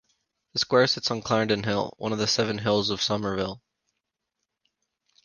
The square sits on Clarendon Hill, one of the seven hills of Somerville.